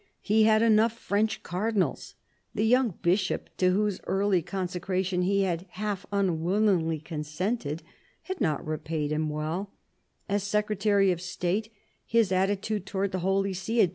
He had enough French cardinals : the young Bishop, to whose early con secration he had half unwillingly consented, had not repaid him well : as Secretary of State, his attitude towards the Holy See had.